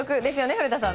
古田さん。